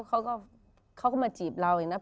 เขาก็มาจีบเราอย่างนี้ครับ